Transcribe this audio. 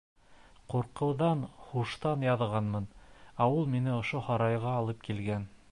Ҡурҡыуҙан һуштан яҙғанмын, ә ул мине ошо һарайға алып килгән.